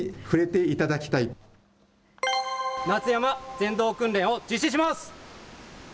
夏山ぜんどう訓練を実施します。